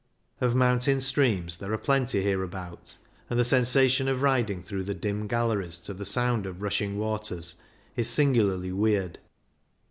Of mountain streams there are plenty hereabout, and the sensation of riding through the dim galleries, to the sound of rushing waters, is singularly weird.